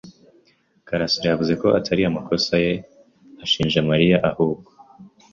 karasira yavuze ko atari amakosa ye maze ashinja Mariya ahubwo.